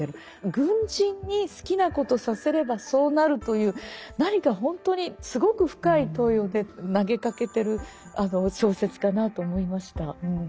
軍人に好きなことさせればそうなるという何か本当にすごく深い問いを投げかけてる小説かなと思いました。